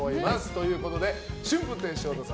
ということで、春風亭昇太さん